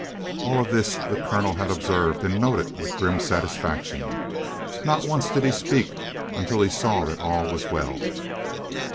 All of this the colonel had observed and noted with grim satisfaction. Not once did he speak until he saw that all was well.